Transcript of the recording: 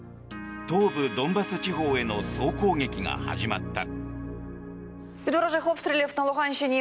東部ドンバス地方への総攻撃が始まった。